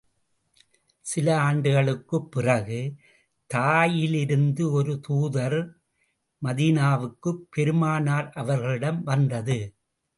சில ஆண்டுகளுக்குப் பிறகு, தாயியிலிருந்து ஒரு தூதர் குழு மதீனாவுக்குப் பெருமானார் அவர்களிடம் வந்தது.